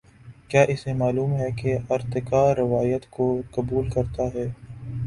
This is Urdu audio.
کیا اسے معلوم ہے کہ ارتقا روایت کو قبول کرتا ہے۔